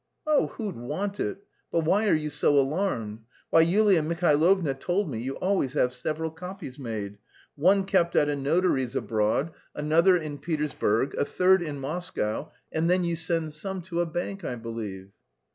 "Oh, who'd want it! But why are you so alarmed? Why, Yulia Mihailovna told me you always have several copies made one kept at a notary's abroad, another in Petersburg, a third in Moscow, and then you send some to a bank, I believe."